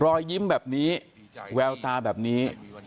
รอยยิ้มแบบนี้แววตาแบบนี้